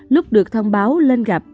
lúc được thông báo lên gặp